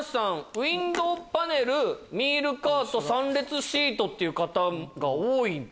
ウィンドウパネルミールカート３列シートって方が多いですかね。